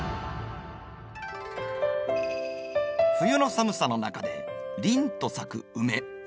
冬の寒さの中で凜と咲くウメ。